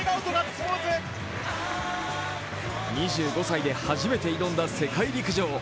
２５歳で初めて挑んだ世界陸上。